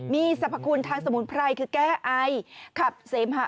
มีสรรพคุณทางสมุนไพรคือแก้ไอขับเสมหะ